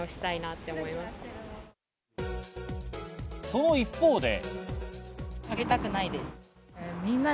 その一方で。